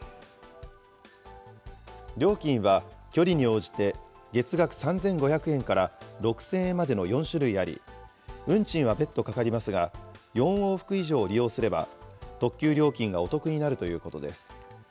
料金は距離に応じて、月額３５００円から６０００円までの４種類あり、運賃は別途かかりますが、４往復以上利用すれば、特急料金がお得になるということです。